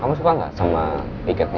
kamu suka gak sama ikatnya